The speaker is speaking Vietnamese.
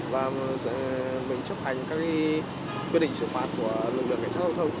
và mình chấp hành các quy định sửa phạt của lực lượng cảnh sát giao thông